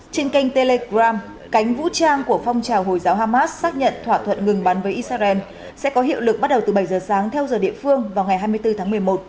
trên kênh telegram cánh vũ trang của phong trào hồi giáo hamas xác nhận thỏa thuận ngừng bắn với israel sẽ có hiệu lực bắt đầu từ bảy giờ sáng theo giờ địa phương vào ngày hai mươi bốn tháng một mươi một